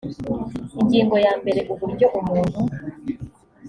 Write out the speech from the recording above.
ingingo ya mbere uburyo umuntu